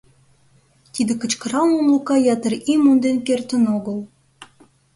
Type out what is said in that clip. Тиде кычкыралмым Лука ятыр ий монден кертын огыл.